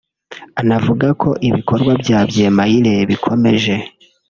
Anavuga ko ibikorwa bya Byemayire bikomeje